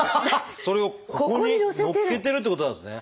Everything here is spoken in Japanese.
それをここにのっけてるってことなんですね。